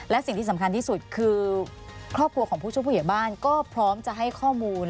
และสิ่งที่สำคัญที่สุดคือครอบครัวของผู้ช่วยผู้ใหญ่บ้านก็พร้อมจะให้ข้อมูล